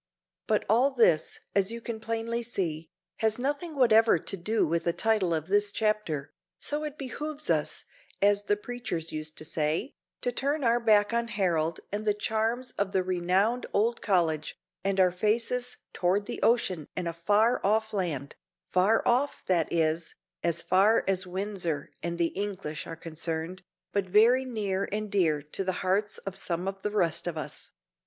But all this, as you can plainly see, has nothing whatever to do with the title of this chapter, so it "behooves us," as the preachers used to say, to turn our back on Harold and the charms of the renowned old college, and our faces toward the ocean and a far off land far off, that is, as far as Windsor and the English are concerned, but very near and dear to the hearts of some of the rest of us.